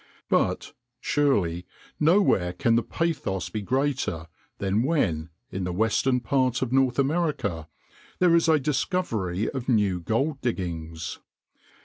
But, surely, nowhere can the pathos be greater than when, in the western part of North America, there is a discovery of new gold diggings.